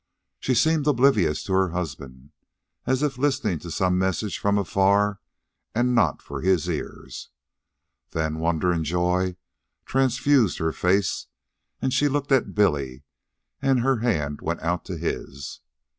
She seemed oblivious to her husband, as if listening to some message from afar and not for his ears. Then wonder and joy transfused her face, and she looked at Billy, and her hand went out to his.